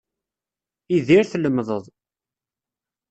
Idir, tlemdeḍ.